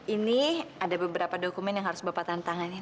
ini ada beberapa dokumen yang harus bapak tantang antangin